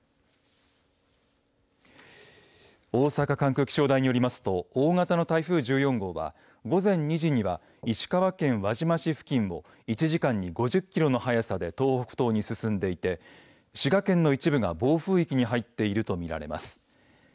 大阪管区気象台によりますと大型の台風１４号は午前２時には石川県輪島市付近を１時間に５０キロの速さで東北東に進んでいて滋賀県の一部が暴風域に入っていると見られます。